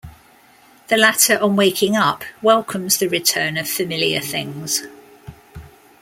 The latter, on waking up, welcomes the return of familiar things.